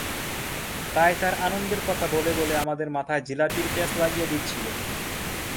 তাই তার আনন্দের কথা বলে বলে আমাদের মাথায় জিলাপির প্যাঁচ লাগিয়ে দিচ্ছিল।